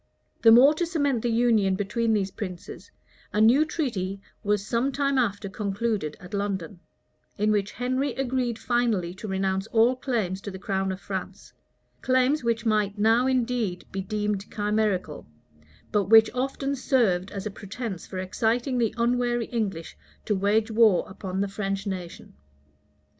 [*]* Burnet, book iii. coll. 12, 13. The more to cement the union between these princes, a new treaty was some time after concluded at London; in which Henry agreed finally to renounce all claims to the crown of France; claims which might now indeed be deemed chimerical, but which often served as a pretence for exciting the unwary English to wage war upon the French nation.